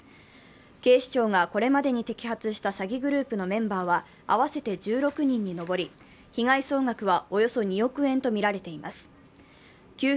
警視庁がこれまでに摘発した詐欺グループのメンバーは合わせて１６人に上り、被害総額はおよそ２億円とみられています。